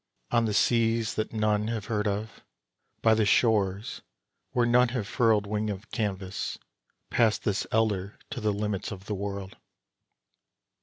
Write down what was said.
On the seas that none had heard of, by the shores where none had furled Wing of canvas, passed this elder to the limits of the world.